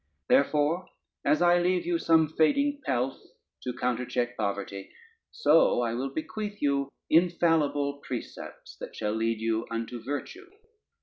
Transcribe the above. Therefore, as I leave you some fading pelf to countercheck poverty, so I will bequeath you infallible precepts that shall lead you unto virtue.